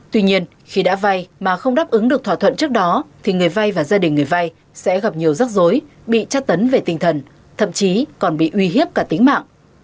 tuy nhiên khi đã vay mà không đáp ứng được thỏa thuận trước đó thì người vai và gia đình người vai sẽ gặp nhiều rắc rối bị chắc tấn về tinh thần thậm chí còn bị uy hiếp cả tính mạng